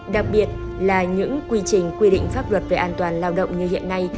đặc biệt là những quy trình quy định pháp luật về an toàn lao động như hiện nay